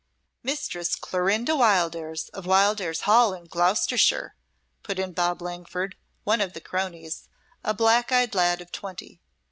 "Mistress Clorinda Wildairs of Wildairs Hall in Gloucestershire," put in Bob Langford, one of the cronies, a black eyed lad of twenty.